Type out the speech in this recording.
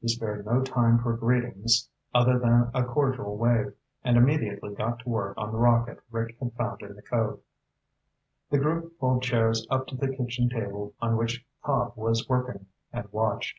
He spared no time for greetings other than a cordial wave, and immediately got to work on the rocket Rick had found in the cove. The group pulled chairs up to the kitchen table on which Cobb was working, and watched.